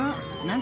何？